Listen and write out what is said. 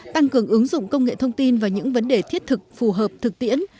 tăng cường ứng dụng công nghệ thông tin và những vấn đề thiết thực phù hợp thực tiễn